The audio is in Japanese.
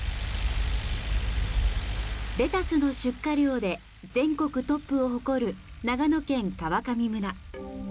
レタスの出荷量で全国トップを誇る長野県川上村。